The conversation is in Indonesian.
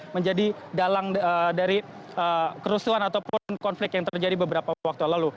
menjadi dalang dari kerusuhan ataupun konflik yang terjadi beberapa waktu lalu